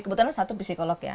kebetulan satu psikolog ya